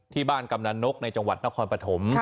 ที่บ้านกำหนันนกในจังหวัดนครปฐม